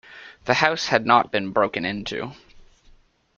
The house had not been broken into.